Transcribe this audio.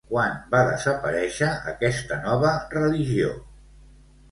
Quan va desaparèixer aquesta nova religió?